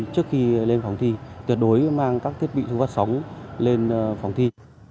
trước khi lên phòng thi tuyệt đối mang các thiết bị thu phát sóng lên phòng thi